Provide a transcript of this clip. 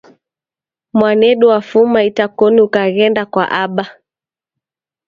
Mwanedu wafuma itakoni ukaghenda kwa aba